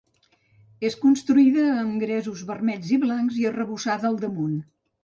És construïda amb gresos vermells i blancs i arrebossada al damunt.